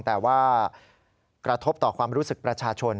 แต่ว่ากระทบต่อความรู้สึกประชาชน